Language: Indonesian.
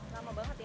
lama banget ya